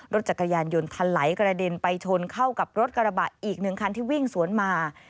รถจักรยานยนต์ทะไหลกระเด็นไปชนเข้ากับรถกระบะอีกหนึ่งคันที่วิ่งสวนมา